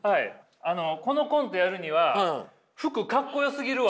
あのこのコントやるには服かっこよすぎるわ！